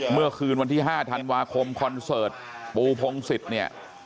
เมื่อคืนวันที่๕ธันวาคมคอนเสิร์ตปูพงศิษย์เนี่ย